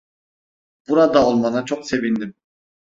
Burada olmana çok sevindim.